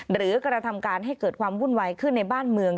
กระทำการให้เกิดความวุ่นวายขึ้นในบ้านเมือง